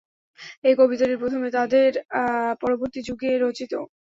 এই কবিতাটি প্রথম আদের পরবর্তী যুগে রচিত।